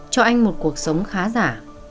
cho anh một cuộc sống khá giả